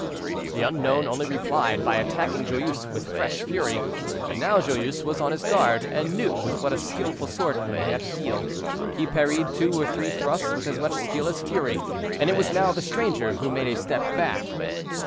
The unknown only replied by attacking Joyeuse with fresh fury; but now Joyeuse was on his guard, and knew with what a skillful swordsman he had to deal. He parried two or three thrusts with as much skill as fury, and it was now the stranger who made a step back.